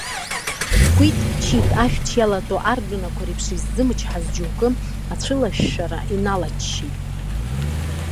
Кәиҭ-чиҭ, ашәч иалатәоу ардәынақәа реиԥш иззымчҳаз џьоукгьы ацәылашәшәара иналаччеит.